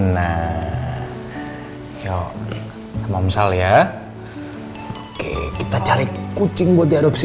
nah yo sama om sal ya oke kita cari kucing buat diadopsi ya